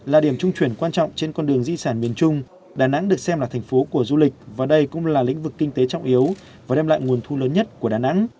là điểm trung chuyển quan trọng trên con đường di sản miền trung đà nẵng được xem là thành phố của du lịch và đây cũng là lĩnh vực kinh tế trọng yếu và đem lại nguồn thu lớn nhất của đà nẵng